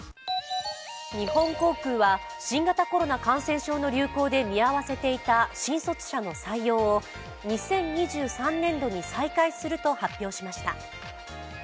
日本航空は新型コロナ感染症の流行で見合わせていた新卒者の採用を２０２３年度に再開すると発表しました。